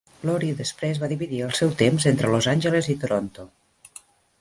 Laurie després va dividir el seu temps entre Los Angeles i Toronto.